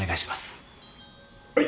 はい。